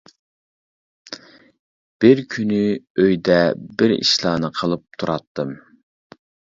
بىر كۈنى ئۆيدە بىر ئىشلارنى قىلىپ تۇراتتىم.